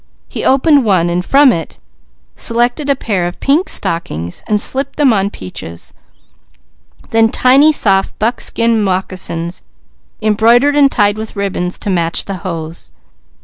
He opened one and from it selected a pair of pink stockings and slipped them on Peaches; then tiny, soft buckskin moccasins embroidered and tied with ribbons to match the hose.